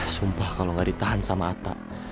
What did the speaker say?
sumpah kalo ga ditahan sama atta